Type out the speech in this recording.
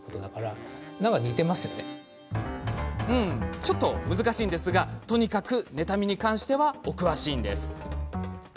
ちょっと難しいんですがとにかく妬みに関してはお詳しいんです。